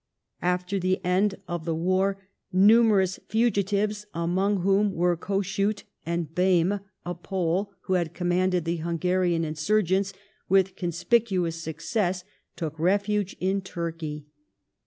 After the end of the war, numerous fugitives, among whom were Kossuth and Bem, a Pole who had commanded the Hungarian insurgents with conspicuous success, took refuge in Turkey.